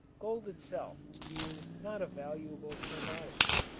Gold itself is not a valuable commodity.